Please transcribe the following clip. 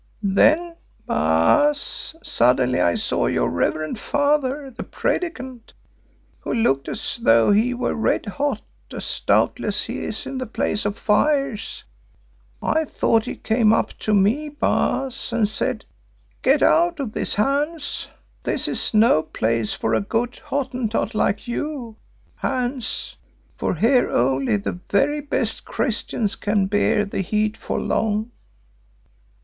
Then, Baas, suddenly I saw your reverend father, the Predikant, who looked as though he were red hot, as doubtless he is in the Place of Fires. I thought he came up to me, Baas, and said, 'Get out of this, Hans. This is no place for a good Hottentot like you, Hans, for here only the very best Christians can bear the heat for long.